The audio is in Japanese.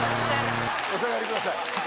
お下がりください。